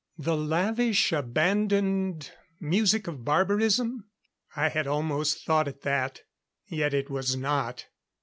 The lavish, abandoned music of barbarism? I had almost thought it that. Yet it was not.